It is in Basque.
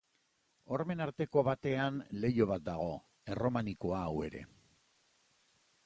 Hormen arteko batean leiho bat dago, erromanikoa hau ere.